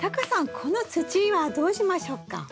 この土はどうしましょうか？